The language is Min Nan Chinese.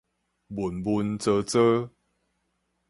悶悶慒慒